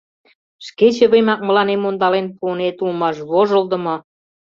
— Шке чывемак мыланем ондален пуынет улмаш, вожылдымо!